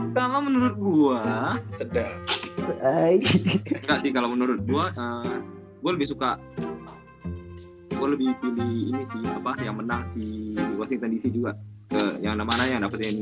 kalau menurut gua gue lebih suka lebih pilih ini sih apa yang menang sih juga yang namanya